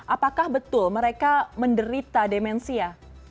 apakah betul mereka menderita demensia